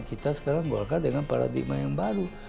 kita sekarang golkar dengan paradigma yang baru